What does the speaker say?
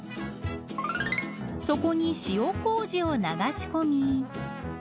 そこに塩こうじを流し込み。